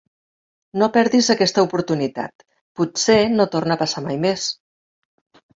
No perdis aquesta oportunitat, potser no torna a passar mai més.